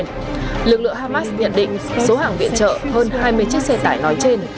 lực lượng hamas nhận định số hàng viện trợ hơn hai mươi chiếc xe tải nói trên